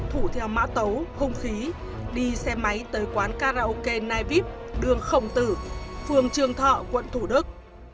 thủ theo mã tấu hung khí đi xe máy tới quán karaoke niviv đường khổng tử phường trường thọ quận thủ đức